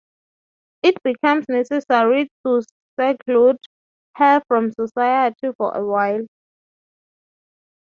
It becomes necessary to seclude her from society for a while.